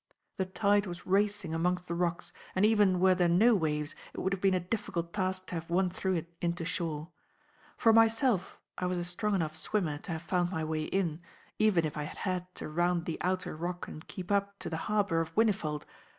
The tide was racing amongst the rocks, and even were there no waves it would have been a difficult task to have won through it into shore. For myself I was a strong enough swimmer to have found my way in, even if I had had to round the outer rock and keep up to the harbour of Whinnyfold.